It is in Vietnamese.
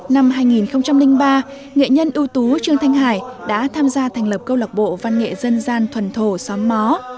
năm hai nghìn ba nghệ nhân ưu tú trương thanh hải đã tham gia thành lập câu lạc bộ văn nghệ dân gian thuần thổ xóm mó